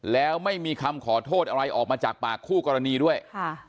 แล้วไม่มีคำขอโทษอะไรออกมาจากปากคู่กรณีด้วยค่ะ